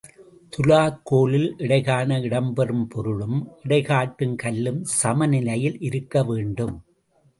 துலாக் கோலில் எடைகாண இடப்புெறும் பொருளும், எடை காட்டும் கல்லும் சமநிலையில் இருக்க வேண்டும்.